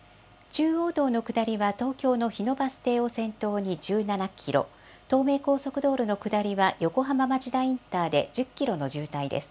中央道の下りは東京の日野バス停を先頭に１７キロ、東名高速道路の下りは横浜町田インターで１０キロの渋滞です。